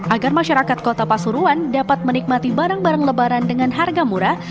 agar masyarakat kota pasuruan dapat menikmati barang barang lebaran dengan harga murah